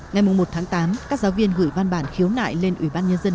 ngày một tháng tám các giáo viên gửi văn bản khiếu nại lên ủy ban nhân dân